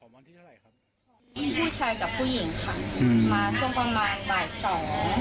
ผู้ชายกับผู้หญิงค่ะมาช่วงประมาณบ่ายสอง